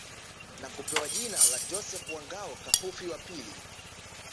Na kupewa jina la Joseph wa Ngao Kapufi wa Pili